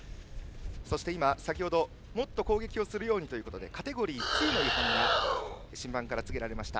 そして先程もっと攻撃をするようにとカテゴリー２の違反が審判から告げられました。